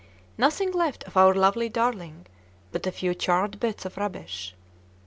Nothing left of our lovely darling but a few charred bits of rubbish!